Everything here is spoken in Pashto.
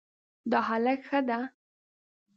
دا هلک ښه ده